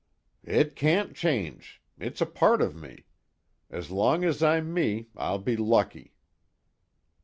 "It can't change. It's a part of me. As long as I'm me, I'll be lucky.